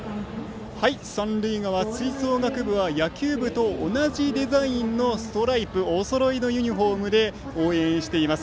三塁側、吹奏楽部は野球部と同じデザインのストライプおそろいのユニフォームで応援しています。